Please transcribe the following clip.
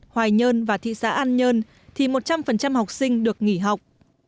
hoài nhơn và thị xã an nhơn thì một trăm linh học sinh được nghỉ học